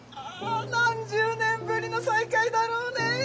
何十年ぶりの再会だろうね。